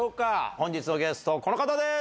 本日のゲスト、この方です。